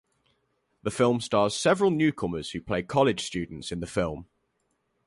The film stars several newcomers who play college students in the film.